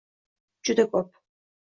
Juda ko'p